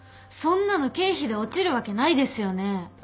そんなの経費で落ちるわけないですよね？